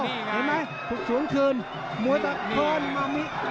เห็นไหมฝุกศูนย์คืนมวยทรัพย์เพลิน